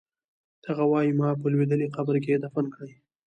هغه وایی ما په لوېدلي قبر کې دفن کړئ